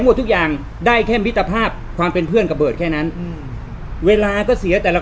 หมดทุกอย่างได้แค่มิตรภาพความเป็นเพื่อนกับเบิร์ตแค่นั้นอืมเวลาก็เสียแต่ละ